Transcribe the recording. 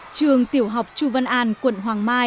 trường tiểu học chù vân an quận hoàng mai